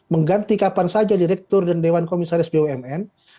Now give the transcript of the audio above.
mengganti kapan saja direktur dan dewan komisaris bumn